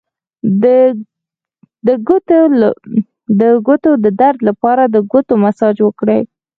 د ګوتو د درد لپاره د ګوتو مساج وکړئ